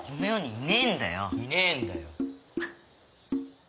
いねえんだよ。